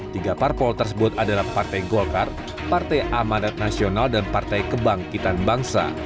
tiga parpol tersebut adalah partai golkar partai amanat nasional dan partai kebangkitan bangsa